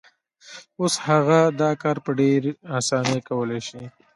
اوس هغه دا کار په ډېرې اسانۍ کولای شي.